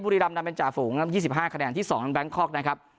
บุรีรำดำเป็นจ่าฝูงยี่สิบห้าคะแนนที่สองแบงค์คอร์กนะครับ